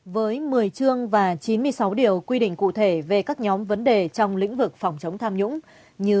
với một mươi chương và chín mươi sáu điều quy định cụ thể về các nhóm vấn đề trong lĩnh vực phòng chống tham nhũng như